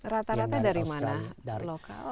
rata rata dari mana